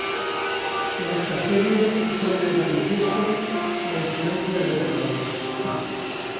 En esta serie se pone de manifiesto la influencia de Rembrandt.